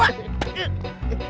jangan lari lo